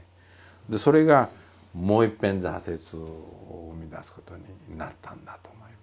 それがもういっぺん挫折を生み出すことになったんだと思いますね。